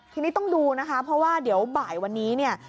ทีนี้ต้องดูนะคะเพราะว่าเดี๋ยวบ่ายวันนี้เนี่ย